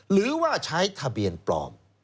หรือว่าใช้ทะเบียนปลอม